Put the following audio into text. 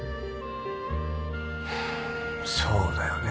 そうだよね。